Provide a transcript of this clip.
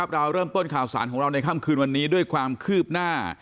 เราเริ่มต้นข่าวสารของเราในค่ำคืนวันนี้ด้วยความคืบหน้า